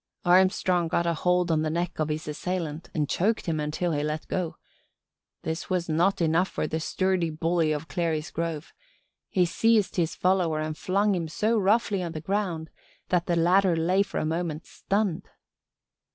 Armstrong got a hold on the neck of his assailant and choked him until he let go. This was not enough for the sturdy bully of Clary's Grove. He seized his follower and flung him so roughly on the ground that the latter lay for a moment stunned.